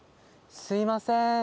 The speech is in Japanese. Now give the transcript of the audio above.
すみません。